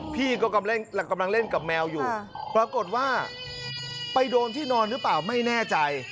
พี่ก็กำลังเล่นกับแมวอยู่ปรากฏว่าไปโดนที่นอนหรือเปล่าไม่แน่ใจ